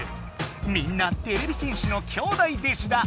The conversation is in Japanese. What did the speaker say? みんなてれび戦士のきょうだい弟子だ。